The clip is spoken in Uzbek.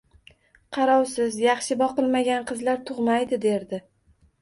Qarovsiz, yaxshi boqilmagan qizlar tugʻmaydi derdi.